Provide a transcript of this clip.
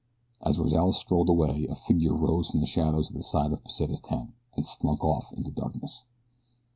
As Rozales strolled away a figure rose from the shadows at the side of Pesita's tent and slunk off into the darkness.